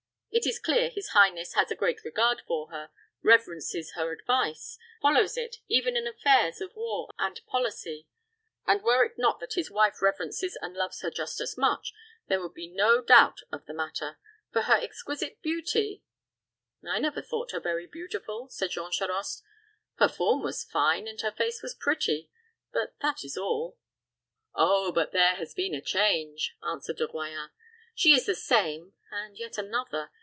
It is clear his highness has a great regard for her, reverences her advice, follows it, even in affairs of war and policy; and, were it not that his wife reverences and loves her just as much, there would be no doubt of the matter; for her exquisite beauty " "I never thought her very beautiful," said Jean Charost. "Her form was fine, and her face pretty; but that is all." "Oh, but there has been a change," answered De Royans. "She is the same, and yet another.